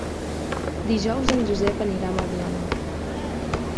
Dijous en Josep anirà a Mediona.